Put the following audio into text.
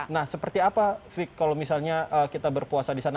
nah seperti apa fik kalau misalnya kita berpuasa di sana